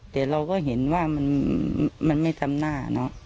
แต่เราก็เห็นว่ามันไม่ทำหน้าเนอะ